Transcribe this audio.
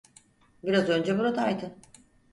Biraz önce buradaydı.